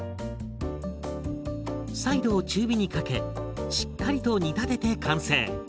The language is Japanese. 再度中火にかけしっかりと煮立てて完成。